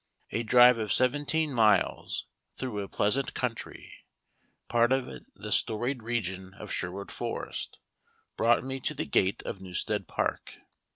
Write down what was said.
A drive of seventeen miles through a pleasant country, part of it the storied region of Sherwood Forest, brought me to the gate of Newstead Park.